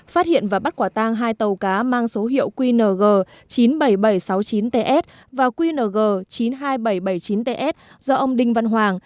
phát hiện và bắt quả tang hai tàu cá mang số hiệu qng chín mươi bảy nghìn bảy trăm sáu mươi chín ts và qng chín mươi hai nghìn bảy trăm bảy mươi chín ts do ông đinh văn hoàng